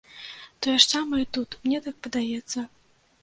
Тое ж самае і тут, мне так падаецца.